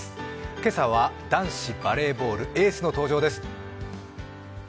今朝は男子バレーボール、エースの登場です！